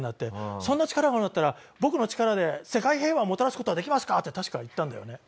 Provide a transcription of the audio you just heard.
「そんな力があるんだったら僕の力で世界平和をもたらす事はできますか？」って確か言ったんだよね。